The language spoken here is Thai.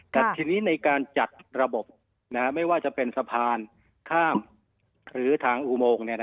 แต่ทีนี้ในการจัดระบบไม่ว่าจะเป็นสะพานข้ามหรือทางอุโมง